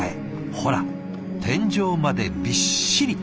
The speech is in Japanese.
ほら天井までびっしり。